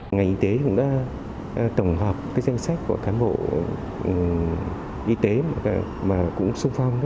ngành y tế cũng đã tổng hợp cái danh sách của cán bộ y tế mà cũng sung phong